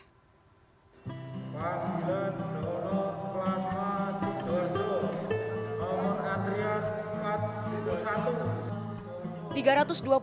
pak jilan donor plasma sidorjo